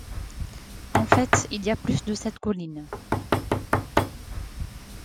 En fait, il y a plus de sept collines.